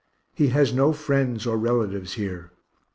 He has no friends or relatives here.